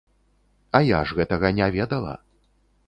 А я ж гэтага не ведала.